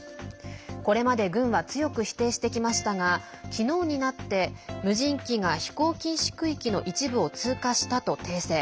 これまで軍は強く否定してきましたが昨日になって無人機が飛行禁止区域の一部を通過したと訂正。